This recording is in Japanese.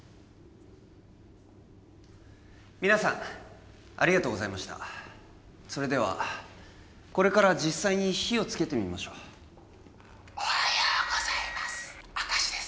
皆さんありがとうございましたそれではこれから実際に火をつけてみましょうおはようございます明石です